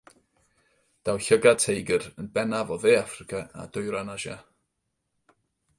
Daw Llygad Teigr yn bennaf o Dde Affrica a dwyrain Asia.